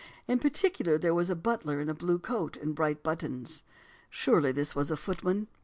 In particular there was a butler in a blue coat and bright buttons" [surely this was a footman?